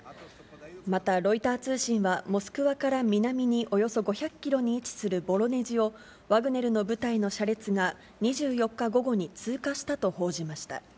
またロイター通信は、モスクワから南におよそ５００キロに位置するボロネジを、ワグネルの部隊の車列が２４日午後に、通過したと報じました。